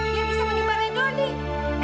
dia bisa menimbali donny